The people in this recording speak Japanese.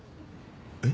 えっ？